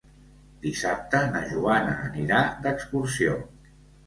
Dissabte na Joana anirà d'excursió.